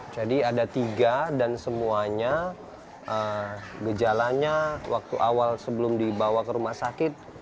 jadi ada tiga dan semuanya gejalanya waktu awal sebelum dibawa ke rumah sakit